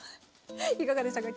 いかがでしたか？